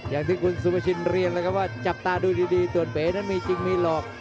อย่างที่คุณสุภาชินเรียนแล้วครับว่าจับตาดูดีส่วนเป๋นั้นมีจริงมีหลอก